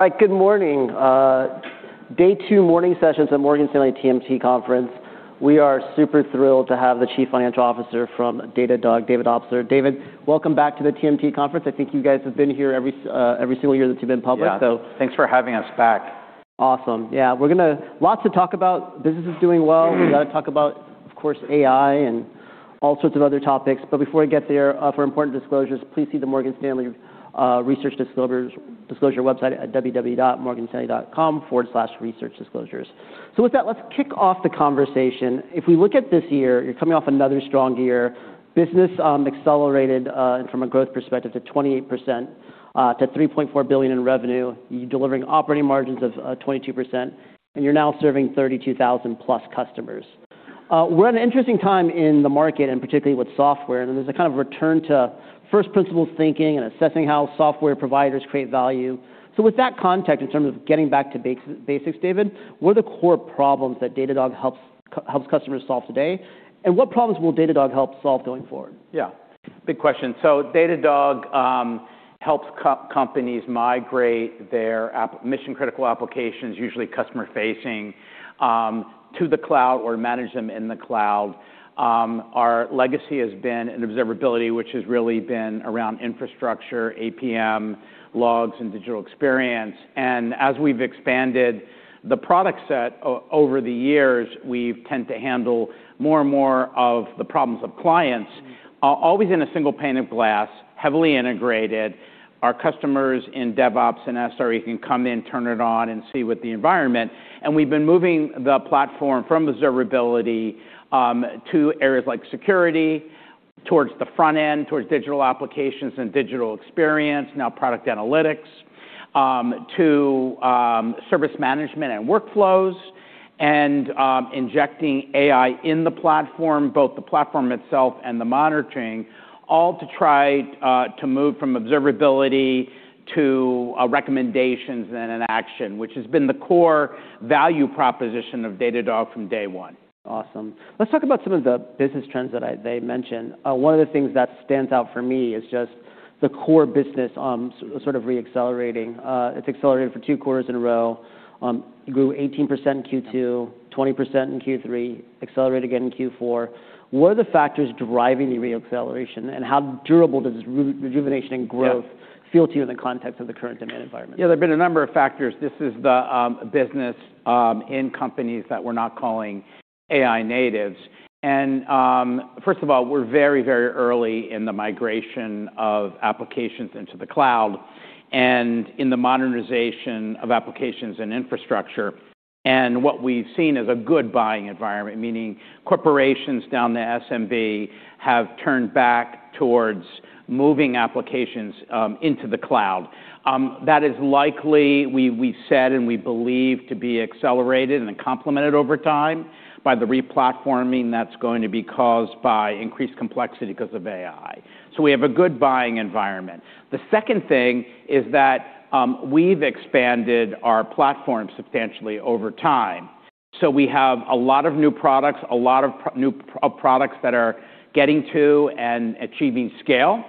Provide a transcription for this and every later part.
All right. Good morning. Day 2 morning sessions at Morgan Stanley Technology, Media & Telecom Conference. We are super thrilled to have the Chief Financial Officer from Datadog, David Obstler. David, welcome back to the TMT Conference. I think you guys have been here every single year that you've been public. Yeah. Thanks for having us back. Awesome. Yeah. Lots to talk about. Business is doing well. We gotta talk about, of course, AI and all sorts of other topics. Before I get there, for important disclosures, please see the Morgan Stanley research disclosure website at www.morganstanley.com/researchdisclosures. With that, let's kick off the conversation. If we look at this year, you're coming off another strong year. Business accelerated from a growth perspective to 28%, to $3.4 billion in revenue. You're delivering operating margins of 22%, and you're now serving 32,000+ customers. We're at an interesting time in the market, particularly with software, and there's a kind of return to first principles thinking and assessing how software providers create value. With that context, in terms of getting back to basics, David, what are the core problems that Datadog helps customers solve today, and what problems will Datadog help solve going forward? Big question. Datadog helps companies migrate their mission-critical applications, usually customer-facing, to the cloud or manage them in the cloud. Our legacy has been in observability, which has really been around infrastructure, APM, logs, and Digital Experience. As we've expanded the product set over the years, we've tend to handle more and more of the problems of clients, always in a single pane of glass, heavily integrated. Our customers in DevOps and SRE can come in, turn it on, and see with the environment. We've been moving the platform from observability to areas like security, towards the front end, towards digital applications and digital experience, now Product Analytics, to Service Management and workflows, and injecting AI in the platform, both the platform itself and the monitoring, all to try to move from observability to recommendations and an action, which has been the core value proposition of Datadog from day one. Awesome. Let's talk about some of the business trends that they mentioned. One of the things that stands out for me is just the core business, sort of re-accelerating. It's accelerated for two quarters in a row. It grew 18% in Q2, 20% in Q3, accelerated again in Q4. What are the factors driving the re-acceleration, how durable does this rejuvenation and growth- Yeah feel to you in the context of the current demand environment? Yeah. There've been a number of factors. This is the business in companies that we're not calling AI natives. First of all, we're very early in the migration of applications into the cloud and in the modernization of applications and infrastructure. What we've seen is a good buying environment, meaning corporations down to SMB have turned back towards moving applications into the cloud. That is likely, we've said and we believe to be accelerated and then complemented over time by the replatforming that's going to be caused by increased complexity because of AI. We have a good buying environment. The second thing is that we've expanded our platform substantially over time. We have a lot of new products, a lot of new products that are getting to and achieving scale.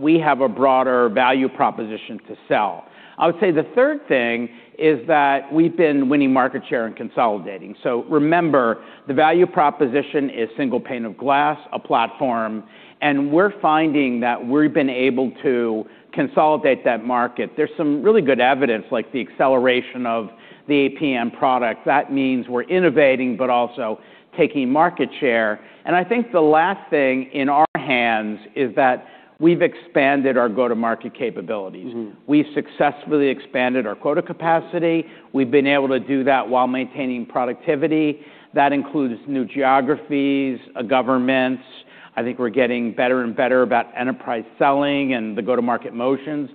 We have a broader value proposition to sell. I would say the third thing is that we've been winning market share and consolidating. Remember, the value proposition is single pane of glass, a platform, and we're finding that we've been able to consolidate that market. There's some really good evidence, like the acceleration of the APM product. That means we're innovating but also taking market share. I think the last thing in our hands is that we've expanded our go-to-market capabilities. Mm-hmm. We've successfully expanded our quota capacity. We've been able to do that while maintaining productivity. That includes new geographies, governments. I think we're getting better and better about enterprise selling and the go-to-market motions.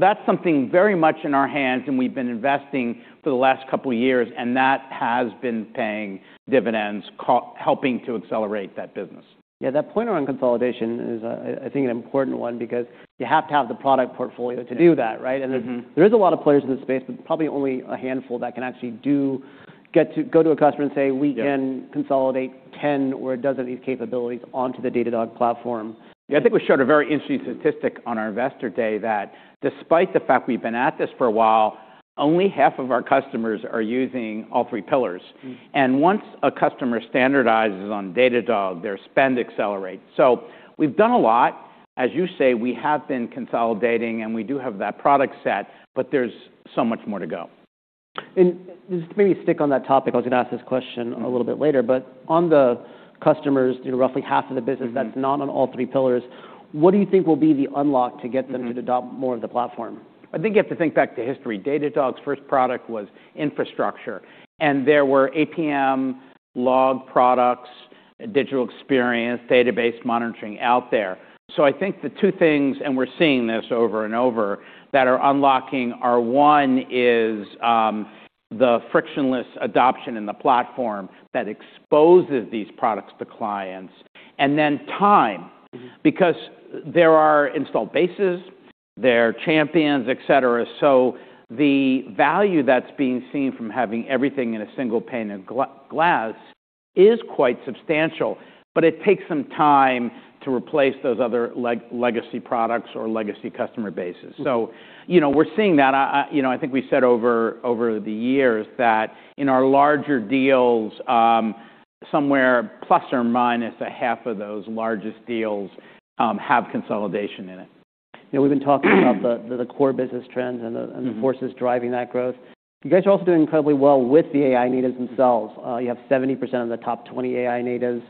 That's something very much in our hands, we've been investing for the last couple years, that has been paying dividends helping to accelerate that business. Yeah. That point around consolidation is, I think an important one because you have to have the product portfolio to do that, right? Mm-hmm. There, there is a lot of players in this space, but probably only a handful that can actually go to a customer and say, "We can-. Yeah... consolidate 10 or a dozen of these capabilities onto the Datadog platform. Yeah. I think we showed a very interesting statistic on our Investor Day that despite the fact we've been at this for a while, only half of our customers are using all 3 pillars. Mm-hmm. Once a customer standardizes on Datadog, their spend accelerates. We've done a lot. As you say, we have been consolidating, and we do have that product set, but there's so much more to go. Just maybe stick on that topic. I was gonna ask this question a little bit later. On the customers, you know, roughly half of the business- Mm-hmm... that's not on all three pillars, what do you think will be the unlock to get them to adopt more of the platform? I think you have to think back to history. Datadog's first product was infrastructure. There were APM log products, Digital Experience, Database Monitoring out there. I think the two things, and we're seeing this over and over, that are unlocking are, one is, the frictionless adoption in the platform that exposes these products to clients, and then time. Mm-hmm. There are install bases, there are champions, et cetera. The value that's being seen from having everything in a single pane of glass is quite substantial, but it takes some time to replace those other legacy products or legacy customer bases. You know, we're seeing that. I You know, I think we said over the years that in our larger deals, somewhere ± a half of those largest deals have consolidation in it. You know, we've been talking about the core business trends and the-. Mm-hmm. -and the forces driving that growth. You guys are also doing incredibly well with the AI natives themselves. You have 70% of the top 20 AI natives.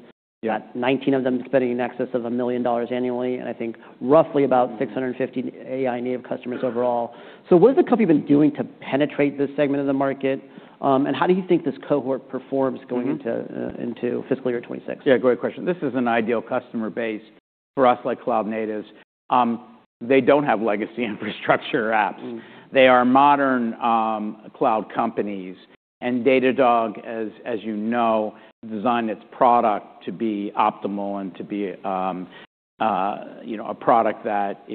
Yeah. You have 19 of them spending in excess of $1 million annually, and I think roughly about 650 AI native customers overall. What has the company been doing to penetrate this segment of the market, and how do you think this cohort performs going into. Mm-hmm. into fiscal year 2026? Yeah, great question. This is an ideal customer base for us like cloud natives. They don't have legacy infrastructure apps. Mm. They are modern cloud companies. Datadog, as you know, designed its product to be optimal and to be, you know, a product that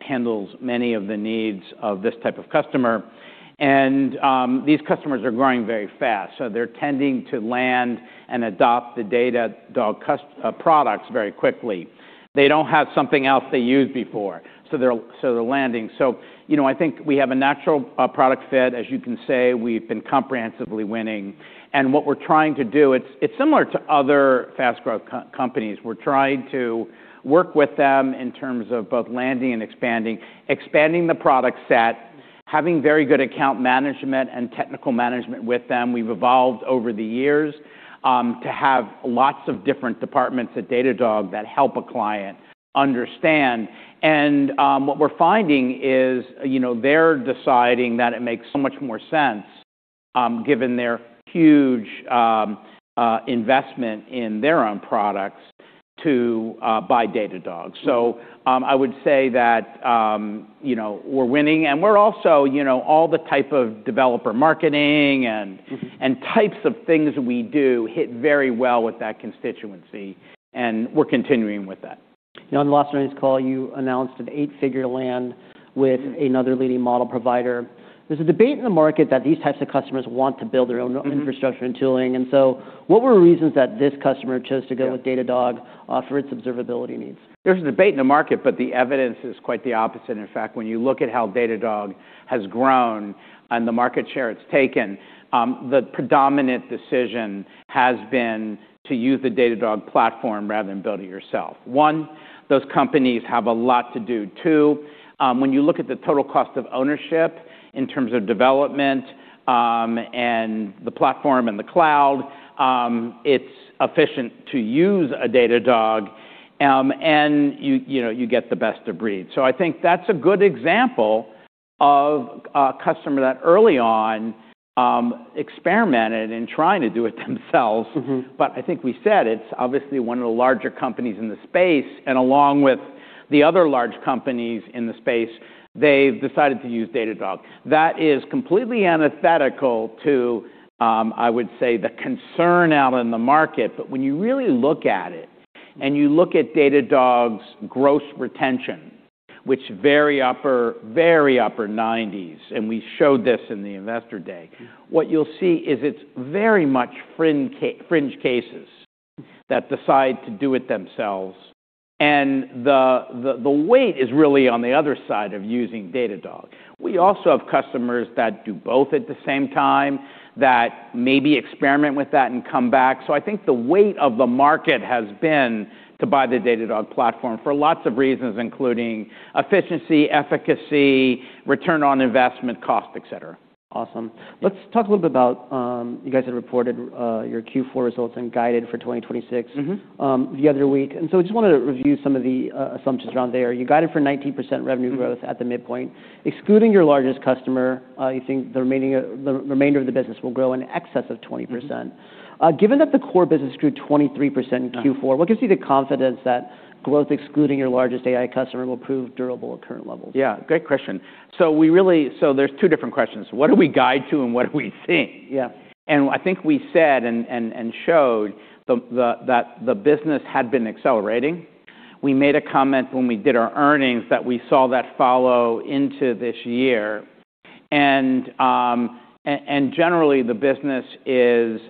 handles many of the needs of this type of customer. These customers are growing very fast, so they're tending to land and adopt the Datadog products very quickly. They don't have something else they used before, so they're landing. You know, I think we have a natural product fit. As you can say, we've been comprehensively winning. What we're trying to do, it's similar to other fast growth companies. We're trying to work with them in terms of both landing and expanding. Expanding the product set, having very good account management and technical management with them. We've evolved over the years, to have lots of different departments at Datadog that help a client understand. What we're finding is, you know, they're deciding that it makes so much more sense, given their huge investment in their own products to buy Datadog. Mm. I would say that, you know, we're winning and we're also, you know, all the type of developer marketing. Mm-hmm. Types of things we do hit very well with that constituency, and we're continuing with that. You know, on the last earnings call, you announced an eight-figure land with another leading model provider. There's a debate in the market that these types of customers want to build their own. Mm-hmm. infrastructure and tooling. What were reasons that this customer chose to go with Datadog for its observability needs? There's a debate in the market, the evidence is quite the opposite. In fact, when you look at how Datadog has grown and the market share it's taken, the predominant decision has been to use the Datadog platform rather than build it yourself. One, those companies have a lot to do. Two, when you look at the total cost of ownership in terms of development, and the platform and the cloud, it's efficient to use a Datadog. And you know, you get the best of breed. I think that's a good example of a customer that early on, experimented in trying to do it themselves. Mm-hmm. I think we said it's obviously one of the larger companies in the space, and along with the other large companies in the space, they've decided to use Datadog. That is completely antithetical to, I would say, the concern out in the market. When you really look at it, and you look at Datadog's gross retention, which very upper nineties, and we showed this in the Investor Day. Mm. What you'll see is it's very much fringe cases that decide to do it themselves. The weight is really on the other side of using Datadog. We also have customers that do both at the same time that maybe experiment with that and come back. I think the weight of the market has been to buy the Datadog platform for lots of reasons, including efficiency, efficacy, return on investment, cost, et cetera. Awesome. Let's talk a little bit about, you guys had reported, your Q4 results and guided for 2026... Mm-hmm. the other week. I just wanted to review some of the assumptions around there. You guided for 19% revenue growth at the midpoint. Excluding your largest customer, you think the remainder of the business will grow in excess of 20%. Mm-hmm. Given that the core business grew 23% in Q4. Yeah. What gives you the confidence that growth excluding your largest AI customer will prove durable at current levels? Yeah. Great question. There's two different questions. What do we guide to and what do we see? Yeah. I think we said and showed that the business had been accelerating. We made a comment when we did our earnings that we saw that follow into this year. Generally the business is,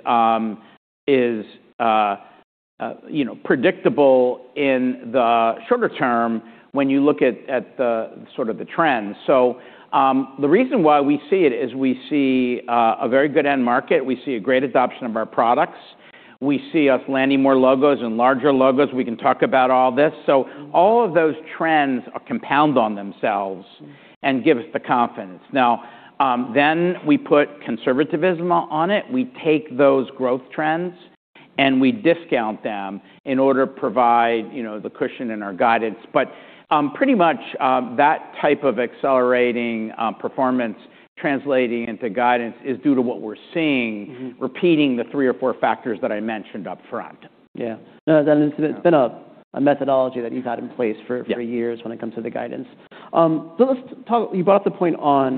you know, predictable in the shorter term when you look at the sort of the trends. The reason why we see it is we see a very good end market. We see a great adoption of our products. We see us landing more logos and larger logos. We can talk about all this. All of those trends compound on themselves and give us the confidence. Then we put conservativism on it. We take those growth trends, and we discount them in order to provide, you know, the cushion in our guidance. Pretty much, that type of accelerating performance translating into guidance is due to what we're seeing. Mm-hmm. repeating the three or four factors that I mentioned up front. Yeah. No, It's been a methodology that you've had in place. Yeah. -for years when it comes to the guidance. Let's talk. You brought the point on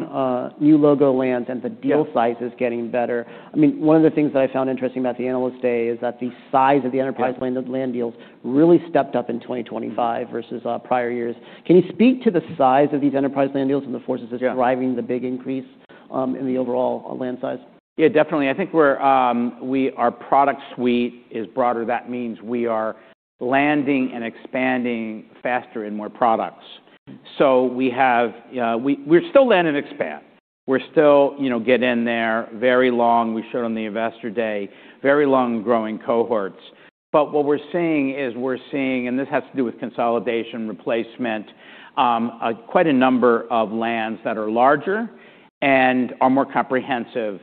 new logo lands and the deal sizes getting better. I mean, one of the things that I found interesting about the Investor Day is that the size of the enterprise land deals really stepped up in 2025 versus prior years. Can you speak to the size of these enterprise land deals and the forces that's driving the big increase in the overall land size? Yeah, definitely. I think we're, our product suite is broader. That means we are landing and expanding faster in more products. We have, we're still land and expand. We're still, you know, get in there very long. We showed on the Investor Day, very long-growing cohorts. What we're seeing is we're seeing, and this has to do with consolidation, replacement, quite a number of lands that are larger and are more comprehensive.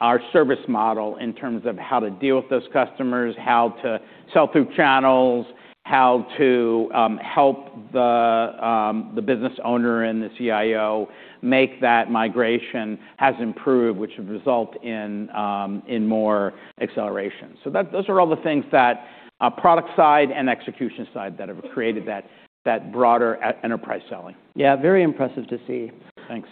Our service model in terms of how to deal with those customers, how to sell through channels, how to help the business owner and the CIO make that migration has improved, which would result in more acceleration. Those are all the things that, product side and execution side that have created that broader enterprise selling. Yeah, very impressive to see. Thanks.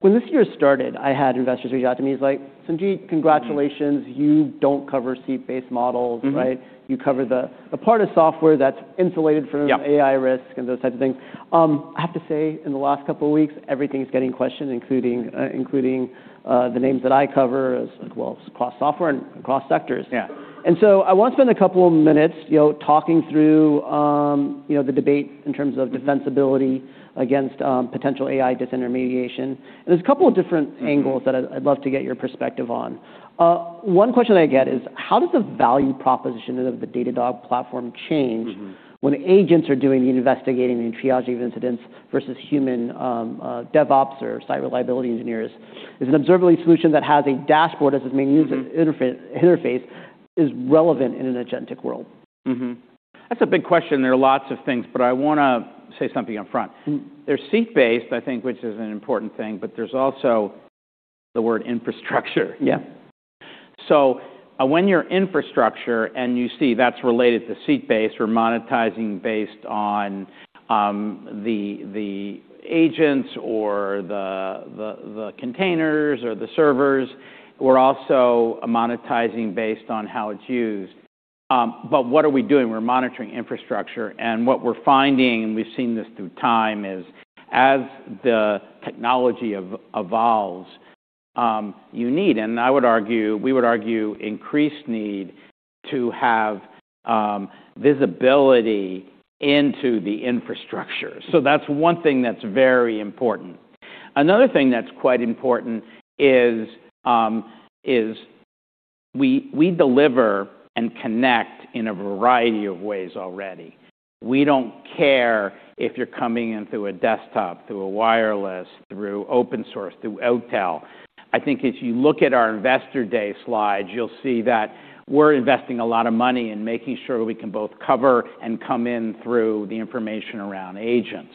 When this year started, I had investors reach out to me. He's like, "Sanjit, congratulations. You don't cover seat-based models, right? You cover the part of software that's insulated from... Yeah. AI risk and those types of things. I have to say, in the last couple of weeks, everything's getting questioned, including, the names that I cover as well across software and across sectors. Yeah. I want to spend a couple of minutes, you know, talking through, you know, the debate in terms of defensibility against potential AI disintermediation. There's a couple of different angles that I'd love to get your perspective on. One question I get is: How does the value proposition of the Datadog platform change? Mm-hmm. When agents are doing the investigating and triaging of incidents versus human, DevOps or Site Reliability Engineers? Is an observability solution that has a dashboard as its main user interface is relevant in an agentic world? Mm-hmm. That's a big question. There are lots of things, but I wanna say something up front. Mm-hmm. There's seat-based, I think, which is an important thing, but there's also the word infrastructure. Yeah. When you're infrastructure and you see that's related to seat-based, we're monetizing based on the agents or the, the containers or the servers. We're also monetizing based on how it's used. What are we doing? We're monitoring infrastructure. What we're finding, and we've seen this through time, is as the technology evolves, you need, and I would argue, we would argue, increased need to have visibility into the infrastructure. That's one thing that's very important. Another thing that's quite important is we deliver and connect in a variety of ways already. We don't care if you're coming in through a desktop, through a wireless, through open source, through OTel. I think if you look at our Investor Day slides, you'll see that we're investing a lot of money in making sure we can both cover and come in through the information around agents.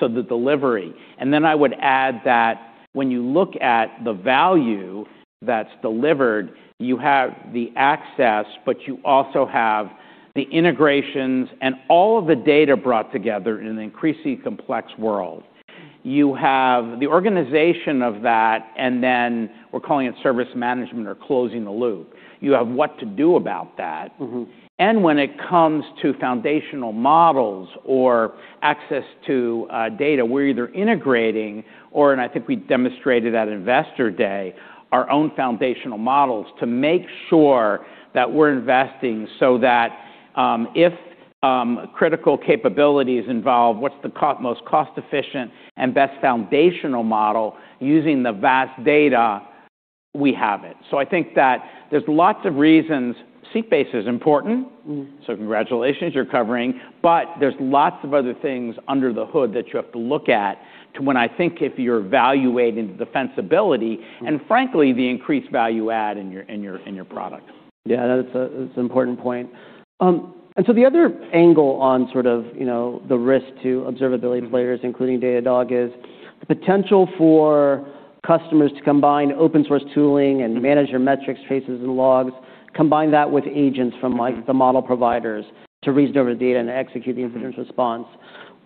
The delivery. I would add that when you look at the value that's delivered, you have the access, but you also have the integrations and all of the data brought together in an increasingly complex world. You have the organization of that, we're calling it Service Management or closing the loop. You have what to do about that. Mm-hmm. When it comes to foundational models or access to data, we're either integrating or, and I think we demonstrated at Investor Day, our own foundational models to make sure that we're investing so that if critical capabilities involve what's the most cost efficient and best foundational model using the vast data, we have it. I think that there's lots of reasons. Seat base is important. Mm-hmm. Congratulations, you're covering. There's lots of other things under the hood that you have to look at to when I think if you're evaluating defensibility and frankly, the increased value add in your products. Yeah, that's an important point. The other angle on, you know, the risk to observability players, including Datadog, is the potential for customers to combine open source tooling and manage your metrics, traces, and logs, combine that with agents from like the model providers to reason over data and execute the incident response.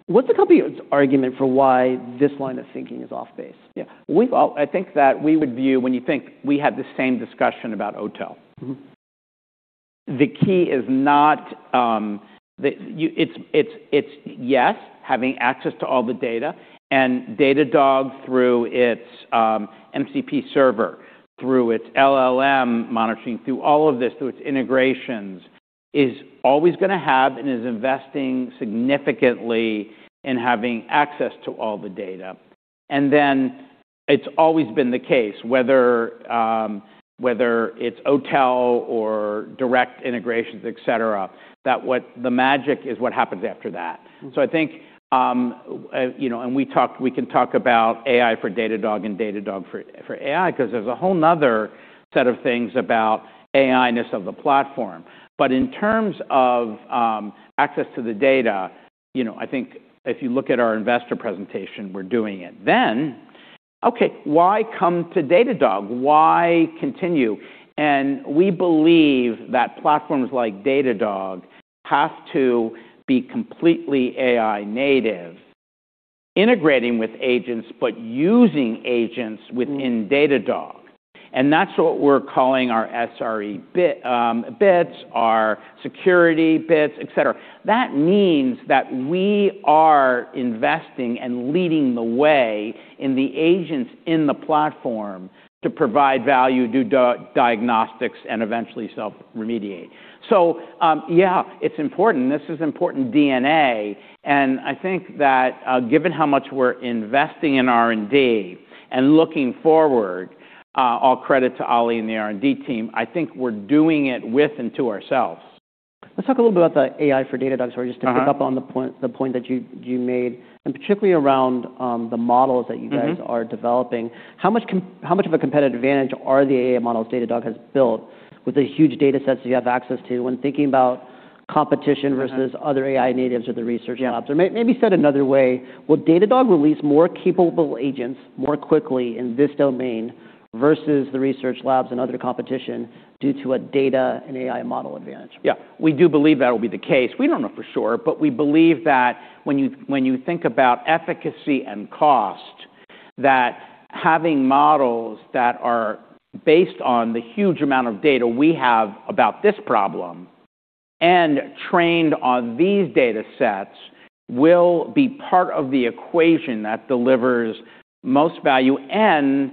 What's the company's argument for why this line of thinking is off base? Yeah. I think that we would view when you think we had the same discussion about OTel. Mm-hmm. The key is not, it's yes, having access to all the data and Datadog through its MCP Server, through its LLM monitoring, through all of this, through its integrations, is always gonna have and is investing significantly in having access to all the data. It's always been the case, whether it's OTel or direct integrations, et cetera, that what the magic is what happens after that. I think, you know, and we talked, we can talk about AI for Datadog and Datadog for AI 'cause there's a whole another set of things about AI-ness of the platform. In terms of, access to the data, you know, I think if you look at our investor presentation, we're doing it. Okay, why come to Datadog? Why continue? We believe that platforms like Datadog have to be completely AI native, integrating with agents, but using agents within Datadog. And that's what we're calling our SRE Bits, our security Bits, et cetera. That means that we are investing and leading the way in the agents in the platform to provide value, do diagnostics, and eventually self-remediate. Yeah, it's important. This is important DNA, and I think that, given how much we're investing in R&D and looking forward, all credit to Ali and the R&D team, I think we're doing it with and to ourselves. Let's talk a little bit about the AI for Datadog, sorry, just to pick up on the point that you made, and particularly around the models that you guys are developing. How much of a competitive advantage are the AI models Datadog has built with the huge datasets you have access to when thinking about competition versus other AI natives or the research labs? Maybe said another way, will Datadog release more capable agents more quickly in this domain versus the research labs and other competition due to a data and AI model advantage? Yeah. We do believe that'll be the case. We don't know for sure, but we believe that when you think about efficacy and cost, that having models that are based on the huge amount of data we have about this problem and trained on these datasets will be part of the equation that delivers most value and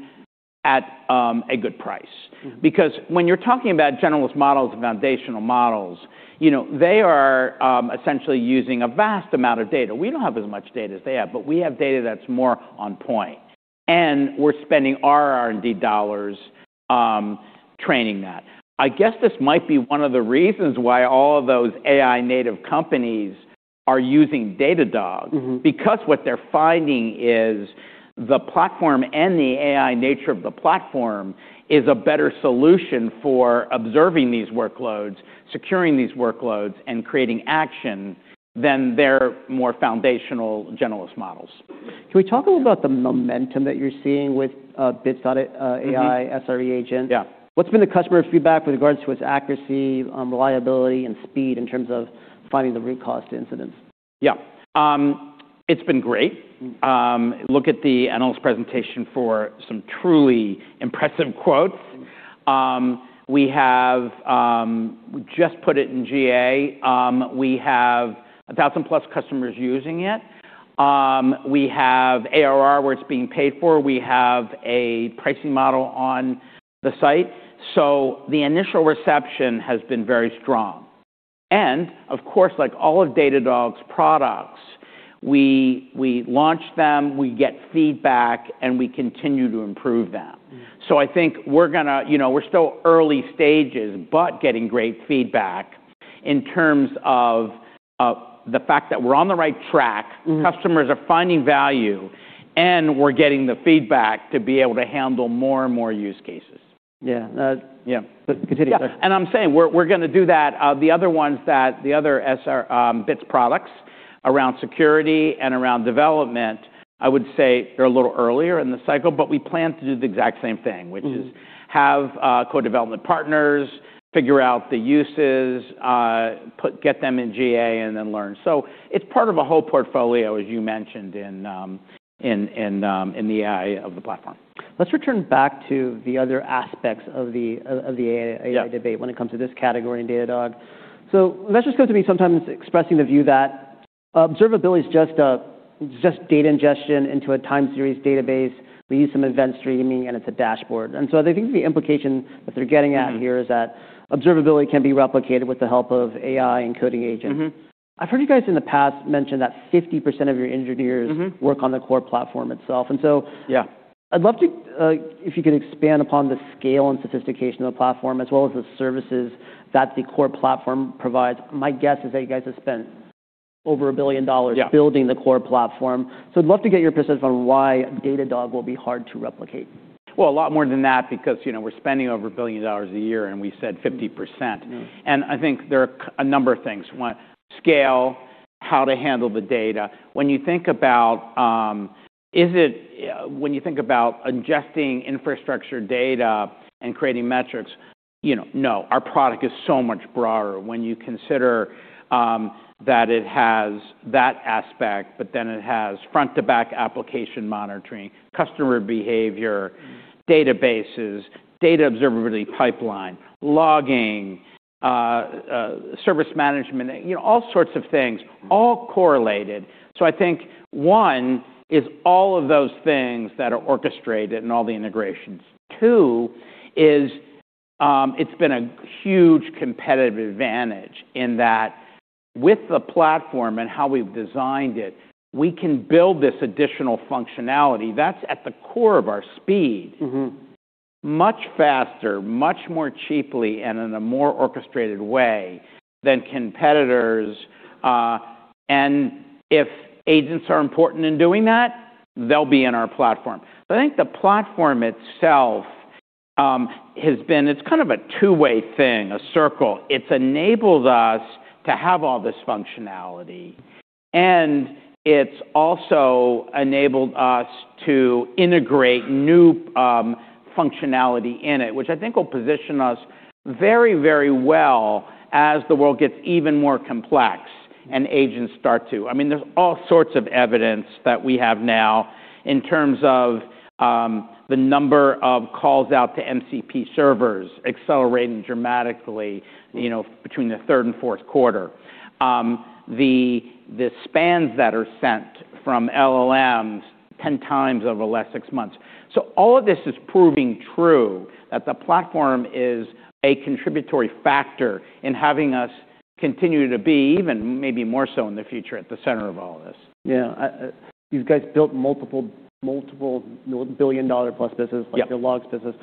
at a good price. Mm-hmm. When you're talking about generalist models and foundational models, you know, they are essentially using a vast amount of data. We don't have as much data as they have, but we have data that's more on point, and we're spending our R&D dollars training that. I guess this might be one of the reasons why all of those AI native companies are using Datadog. Mm-hmm. What they're finding is the platform and the AI nature of the platform is a better solution for observing these workloads, securing these workloads, and creating action than their more foundational generalist models. Can we talk a little about the momentum that you're seeing with Bits AI SRE agents? Yeah. What's been the customer feedback with regards to its accuracy, reliability, and speed in terms of finding the root cause to incidents? It's been great. Look at the analyst presentation for some truly impressive quotes. We have, we just put it in GA. We have a 1,000-plus customers using it. We have ARR where it's being paid for. We have a pricing model on the site. The initial reception has been very strong. Of course, like all of Datadog's products, we launch them, we get feedback, and we continue to improve them. Mm-hmm. I think we're gonna, you know, we're still early stages, but getting great feedback in terms of the fact that we're on the right track. Mm-hmm customers are finding value, and we're getting the feedback to be able to handle more and more use cases. Yeah. Yeah. Continue, sorry. Yeah. I'm saying we're gonna do that. The other SR, Bits products around security and around development, I would say they're a little earlier in the cycle. We plan to do the exact same thing. Mm-hmm... which is have, co-development partners figure out the uses, get them in GA and then learn. It's part of a whole portfolio, as you mentioned, in the AI of the platform. Let's return back to the other aspects of the AI debate when it comes to this category in Datadog. Investors come to me sometimes expressing the view that observability is just data ingestion into a time series database. We use some event streaming, and it's a dashboard. I think the implication that they're getting at here is that observability can be replicated with the help of AI and coding agents. Mm-hmm. I've heard you guys in the past mention that 50% of your engineers- Mm-hmm... work on the core platform itself. Yeah... I'd love to, if you could expand upon the scale and sophistication of the platform as well as the services that the core platform provides. My guess is that you guys have spent over $1 billion... Yeah... building the core platform. I'd love to get your perspective on why Datadog will be hard to replicate. Well, a lot more than that because, you know, we're spending over $1 billion a year, and we said 50%. Mm-hmm. I think there are a number of things. One, scale, how to handle the data. When you think about, when you think about ingesting infrastructure data and creating metrics, you know, no, our product is so much broader when you consider that it has that aspect, but then it has front-to-back application monitoring, customer behavior, databases, data observability pipeline, logging, Service Management, you know, all sorts of things, all correlated. I think, one, is all of those things that are orchestrated and all the integrations. Two is, it's been a huge competitive advantage in that with the platform and how we've designed it, we can build this additional functionality that's at the core of our speed- Mm-hmm... much faster, much more cheaply, and in a more orchestrated way than competitors. If agents are important in doing that, they'll be in our platform. I think the platform itself has been it's kind of a two-way thing, a circle. It's enabled us to have all this functionality, and it's also enabled us to integrate new functionality in it, which I think will position us very, very well as the world gets even more complex. I mean, there's all sorts of evidence that we have now in terms of the number of calls out to MCP Servers accelerating dramatically, you know, between the third and fourth quarter. The spans that are sent from LLMs 10 times over the last six months. All of this is proving true that the platform is a contributory factor in having us continue to be even maybe more so in the future at the center of all of this. Yeah. You guys built multiple billion-dollar-plus businesses. Yep. -like your logs business.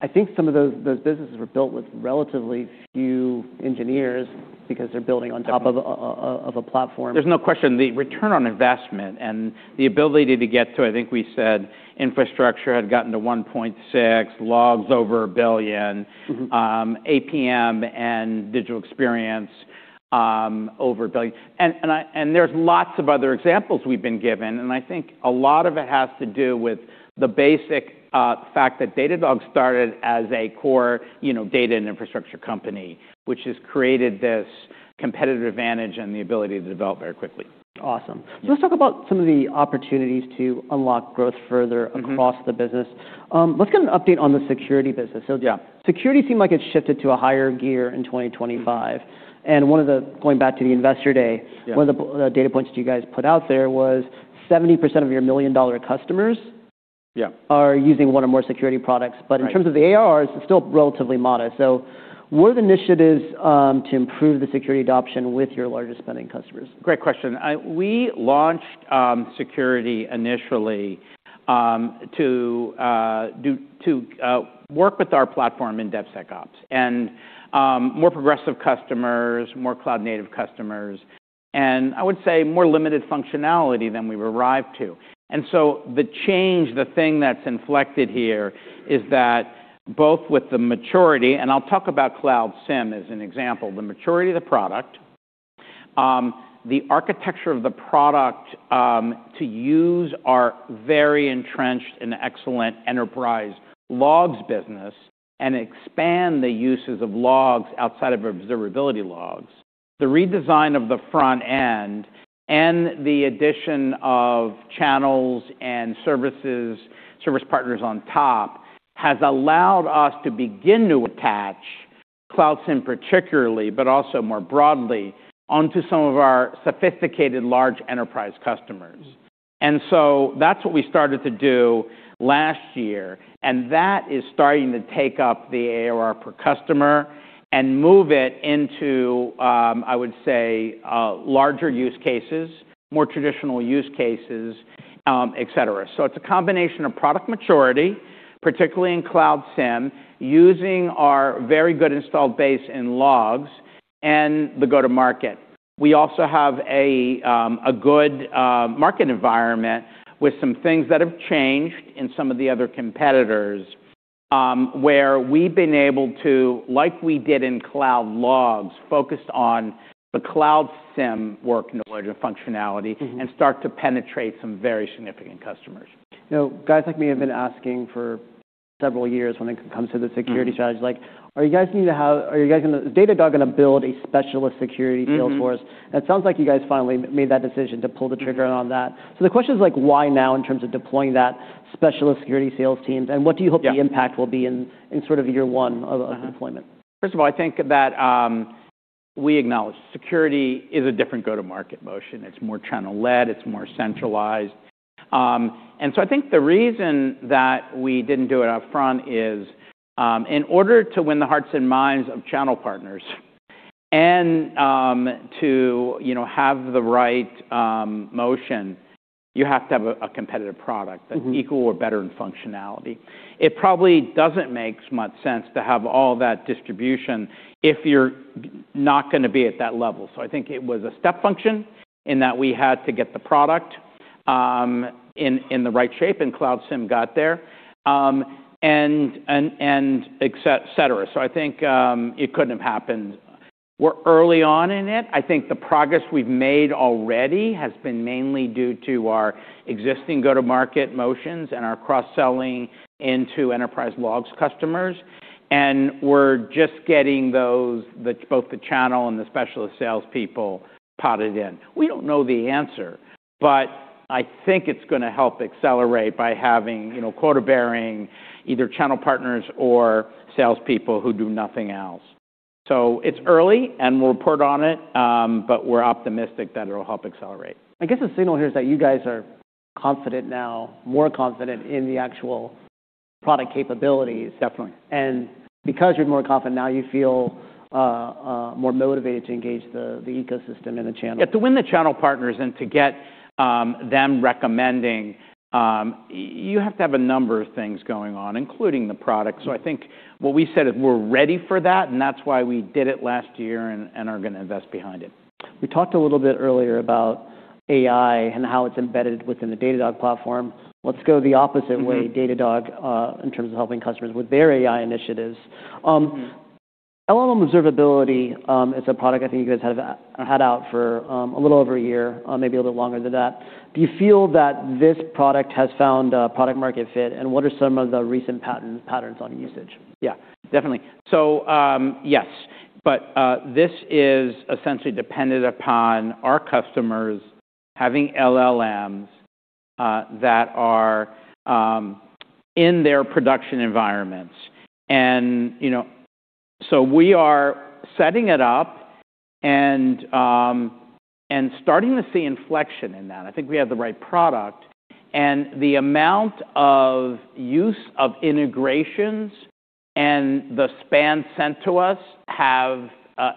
I think some of those businesses were built with relatively few engineers because they're building on top of a platform. There's no question. The return on investment and the ability to get to, I think we said infrastructure had gotten to 1.6, logs over $1 billion. Mm-hmm. APM and digital experience, over $1 billion. There's lots of other examples we've been given, and I think a lot of it has to do with the basic fact that Datadog started as a core, you know, data and infrastructure company, which has created this competitive advantage and the ability to develop very quickly. Awesome. Yeah. Let's talk about some of the opportunities to unlock growth further. Mm-hmm. across the business. Let's get an update on the security business. Yeah. Security seemed like it shifted to a higher gear in 2025. Mm-hmm. Going back to the Investor Day. Yeah. one of the data points that you guys put out there was 70% of your $1 million customers. Yeah. Are using one or more security products. Right. In terms of the ARR, it's still relatively modest. What are the initiatives to improve the security adoption with your largest spending customers? Great question. We launched security initially to work with our platform in DevSecOps and more progressive customers, more cloud-native customers, and I would say more limited functionality than we've arrived to. The change, the thing that's inflected here is that both with the maturity, and I'll talk about Cloud SIEM as an example, the maturity of the product, the architecture of the product, to use our very entrenched and excellent enterprise logs business and expand the uses of logs outside of observability logs. The redesign of the front end and the addition of channels and services, service partners on top has allowed us to begin to attach Cloud SIEM particularly, but also more broadly, onto some of our sophisticated large enterprise customers. Mm-hmm. That's what we started to do last year, and that is starting to take up the ARR per customer and move it into, I would say, larger use cases, more traditional use cases, et cetera. It's a combination of product maturity, particularly in Cloud SIEM, using our very good installed base in logs and the go-to-market. We also have a good market environment with some things that have changed in some of the other competitors, where we've been able to, like we did in cloud logs, focus on the Cloud SIEM work knowledge and functionality. Mm-hmm. Start to penetrate some very significant customers. You know, guys like me have been asking for several years when it comes to the security strategy, like, is Datadog gonna build a specialist security sales force? Mm-hmm. It sounds like you guys finally made that decision to pull the trigger on that. The question is, like, why now in terms of deploying that specialist security sales teams, and what do you hope- Yeah. the impact will be in sort of year one of deployment? First of all, I think that we acknowledge security is a different go-to-market motion. It's more channel-led, it's more centralized. I think the reason that we didn't do it up front is in order to win the hearts and minds of channel partners and, you know, have the right motion, you have to have a competitive product. Mm-hmm. That's equal or better in functionality. It probably doesn't make much sense to have all that distribution if you're not gonna be at that level. I think it was a step function in that we had to get the product in the right shape, and Cloud SIEM got there, and et cetera. I think it couldn't have happened. We're early on in it. I think the progress we've made already has been mainly due to our existing go-to-market motions and our cross-selling into enterprise logs customers. We're just getting those, both the channel and the specialist salespeople potted in. We don't know the answer, but I think it's gonna help accelerate by having, you know, quota-bearing either channel partners or salespeople who do nothing else. It's early, and we'll report on it, but we're optimistic that it'll help accelerate. I guess the signal here is that you guys are confident now, more confident in the actual product capabilities. Definitely. Because you're more confident now, you feel more motivated to engage the ecosystem and the channel. Yeah. To win the channel partners and to get them recommending, you have to have a number of things going on, including the product. Mm-hmm. I think what we said is we're ready for that, and that's why we did it last year and are gonna invest behind it. We talked a little bit earlier about AI and how it's embedded within the Datadog platform. Let's go the opposite way- Mm-hmm. Datadog, in terms of helping customers with their AI initiatives. Mm-hmm. LLM Observability, is a product I think you guys have had out for a little over a year, maybe a little longer than that. Do you feel that this product has found a product market fit? What are some of the recent patterns on usage? Yeah, definitely. Yes. This is essentially dependent upon our customers having LLMs that are in their production environments. You know, so we are setting it up and starting to see inflection in that. I think we have the right product, and the amount of use of integrations and the span sent to us have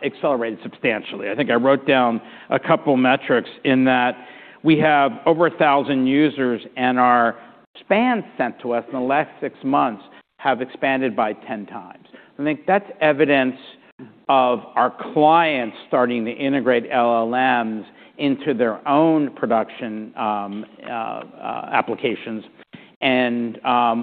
accelerated substantially. I think I wrote down a couple metrics in that we have over 1,000 users, and our spans sent to us in the last 6 months have expanded by 10 times. I think that's evidence of our clients starting to integrate LLMs into their own production applications and,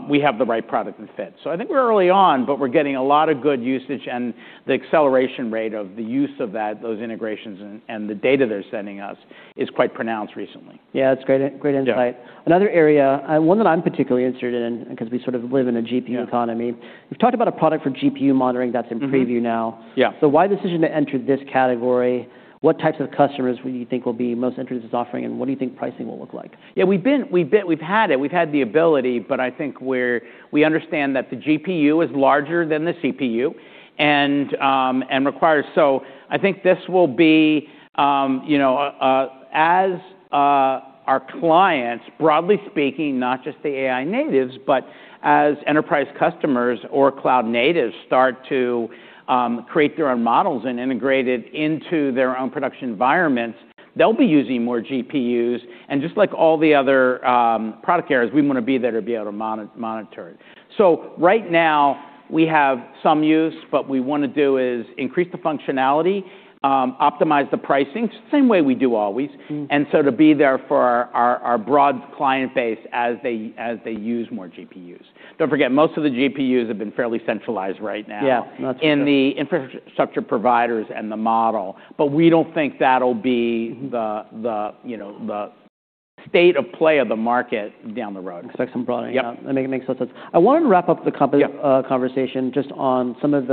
we have the right product and fit. I think we're early on, but we're getting a lot of good usage, and the acceleration rate of the use of that, those integrations and the data they're sending us is quite pronounced recently. Yeah. It's great insight. Yeah. Another area, one that I'm particularly interested in because we sort of live in a GPU economy- Yeah. We've talked about a product for GPU monitoring that's in preview now. Mm-hmm. Yeah. Why the decision to enter this category? What types of customers would you think will be most interested in this offering, and what do you think pricing will look like? Yeah, we've had it, we've had the ability, but I think we understand that the GPU is larger than the CPU and requires. I think this will be, you know, as our clients, broadly speaking, not just the AI natives, but as enterprise customers or cloud natives start to create their own models and integrate it into their own production environments, they'll be using more GPUs. Just like all the other product areas, we wanna be there to be able to monitor it. Right now we have some use. What we wanna do is increase the functionality, optimize the pricing, same way we do always. Mm. To be there for our broad client base as they use more GPUs. Don't forget, most of the GPUs have been fairly centralized right now. Yeah. That's true.... in the infrastructure providers and the model. We don't think that'll be the- Mm-hmm... the, you know, the state of play of the market down the road. Expect some progress. Yeah. That makes total sense. I wanted to wrap up the. Yeah conversation just on some of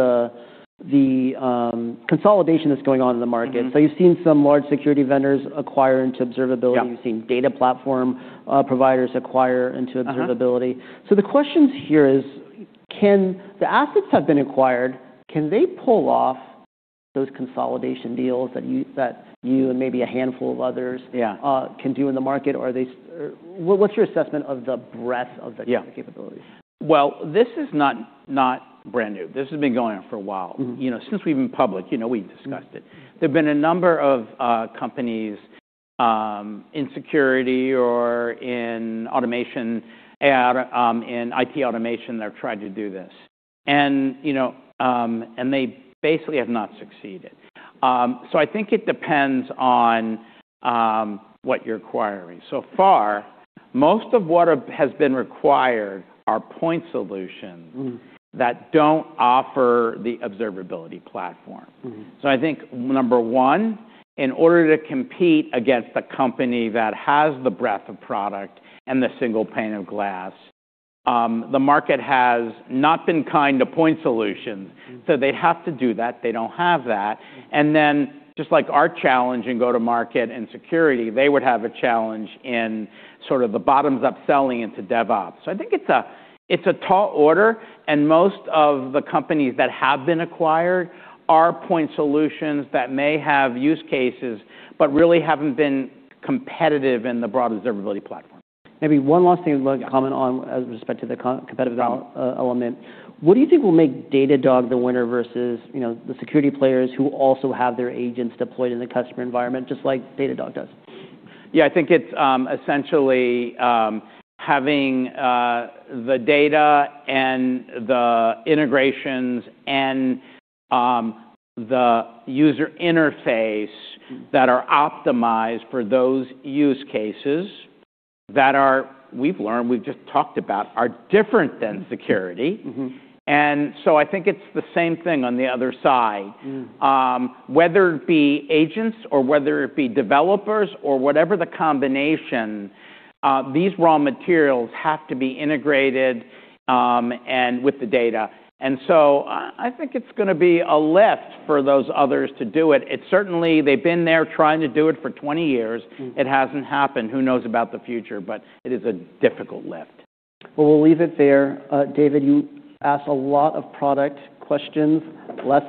the consolidation that's going on in the market. Mm-hmm. You've seen some large security vendors acquire into observability. Yeah. You've seen data platform providers acquire into observability. Uh-huh. The question here is, the assets have been acquired, can they pull off those consolidation deals that you and maybe a handful of others... Yeah... can do in the market? Or what's your assessment of the breadth of the- Yeah capabilities? Well, this is not brand new. This has been going on for a while. Mm-hmm. You know, since we've been public, you know, we've discussed it. Mm. There've been a number of companies in security or in automation, AI, in IT automation that have tried to do this and, you know, and they basically have not succeeded. I think it depends on what you're acquiring. So far, most of what has been acquired are point solutions. Mm that don't offer the observability platform. Mm-hmm. I think number one, in order to compete against the company that has the breadth of product and the single pane of glass, the market has not been kind to point solutions. Mm. They'd have to do that. They don't have that. Just like our challenge in go-to-market and security, they would have a challenge in sort of the bottoms-up selling into DevOps. I think it's a tall order, and most of the companies that have been acquired are point solutions that may have use cases, but really haven't been competitive in the broad observability platform. Maybe one last thing I'd love you to comment on as respect to the competitive element. Yeah. What do you think will make Datadog the winner versus, you know, the security players who also have their agents deployed in the customer environment just like Datadog does? Yeah. I think it's essentially having the data and the integrations and the user interface- Mm... that are optimized for those use cases that are, we've learned, we've just talked about, are different than security. Mm-hmm. I think it's the same thing on the other side. Mm. Whether it be agents or whether it be developers or whatever the combination, these raw materials have to be integrated, and with the data. I think it's gonna be a lift for those others to do it. It certainly, they've been there trying to do it for 20 years. Mm. It hasn't happened. Who knows about the future, but it is a difficult lift. Well, we'll leave it there. David, you asked a lot of product questions, less,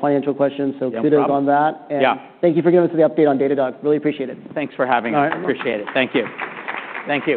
financial questions. No problem. kudos on that. Yeah. Thank you for giving us the update on Datadog. Really appreciate it. Thanks for having me. All right. Appreciate it. Thank you. Thank you.